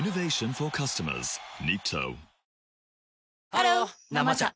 ハロー「生茶」